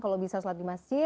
kalau bisa sholat di masjid